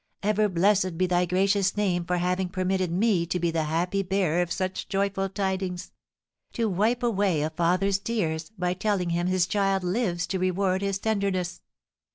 Ever blessed be thy gracious name for having permitted me to be the happy bearer of such joyful tidings, to wipe away a father's tears by telling him his child lives to reward his tenderness!"